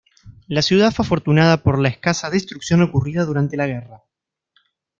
La ciudad fue afortunada por la escasa destrucción ocurrida durante la guerra.